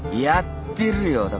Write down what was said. やってるよ。